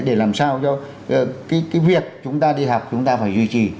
để làm sao cho cái việc chúng ta đi học chúng ta phải duy trì